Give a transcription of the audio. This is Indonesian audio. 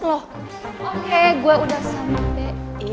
oke gue udah sampe